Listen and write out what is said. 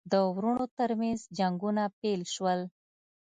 د وروڼو ترمنځ جنګونه پیل شول.